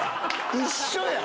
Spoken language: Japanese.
一緒やん。